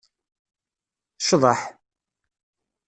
Cḍeḥ!